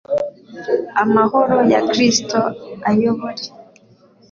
amahoro ya Kristo ayobore